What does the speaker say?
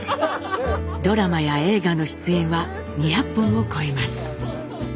ドラマや映画の出演は２００本を超えます。